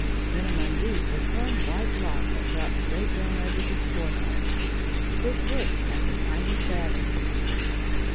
In among these was one white lock that dropped straight down over his forehead. This looked like a tiny feather.